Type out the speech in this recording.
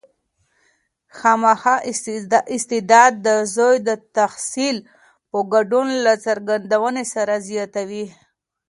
خامخا استعداد د زوی د تحصیل په ګډون له څرګندونې سره زیاتوي.